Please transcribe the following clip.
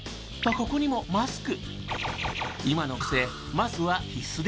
ここにもマスク。